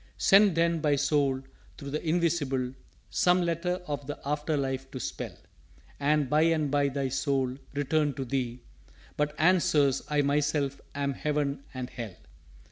"_Send then thy Soul through the Invisible Some letter of the After life to spell: And by and by thy Soul returned to thee But answers, 'I myself am Heaven and Hell.'